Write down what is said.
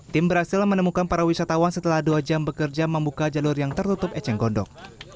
tim berhasil menemukan para wisatawan setelah dua jam bekerja membuka jalur yang tertutup eceng gondok